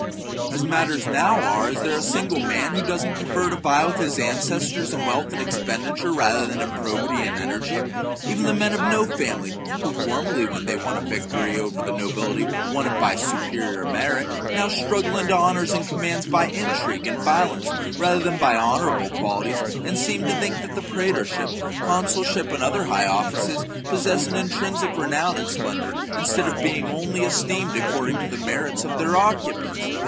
As matters now arc, is there a single man who does not prefer to vie with his ancestors in wealth and expenditure rather than in probity and energy ? Even the men of no family, who formerly when they won a victory over the nobility, won it by superior merit, now struggle into honours and commands by intrigue and violence, rather than by any honourable qualities, and seem to think that the praetorship, consulship, and other high offices, possess an intrinsic renown and splendour, instead of being only esteemed according to the merits of their occu pants.